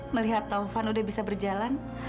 melihat taufan udah bisa berjalan